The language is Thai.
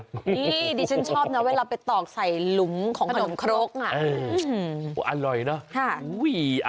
นี่ดิฉันชอบนะเวลาไปตอกใส่หลุมของขนมครกอร่อยนะ